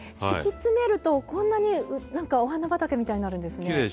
敷き詰めるとこんなに何かお花畑みたいになるんですね。